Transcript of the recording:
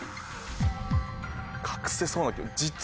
隠せそうだけど。